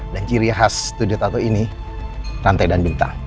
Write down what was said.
dan ciri khas studio tato ini rantai dan bintang